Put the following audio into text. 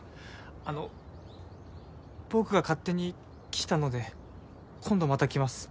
あの僕が勝手に来たので今度また来ます。